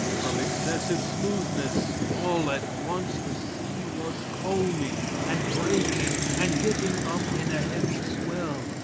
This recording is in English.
From excessive smoothness, all at once the sea was foaming, and breaking, and getting up in a heavy swell.